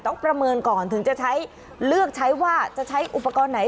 ประเมินก่อนถึงจะใช้เลือกใช้ว่าจะใช้อุปกรณ์ไหน